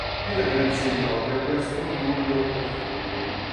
Nella garanzia impropria questo non lo può fare.